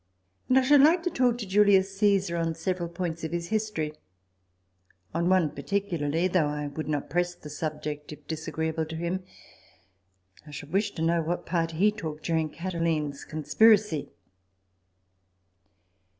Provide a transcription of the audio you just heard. And I should like to talk to Julius Caesar on several points of his history on one particularly (though I would not press the subject, if disagreeable to him) I should TABLE TALK OF SAMUEL ROGERS 131 wish to know what part he took during Catiline's conspiracy."